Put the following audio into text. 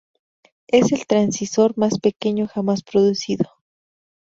Es el transistor más pequeño jamás producido.